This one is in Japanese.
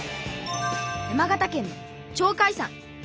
山形県の鳥海山。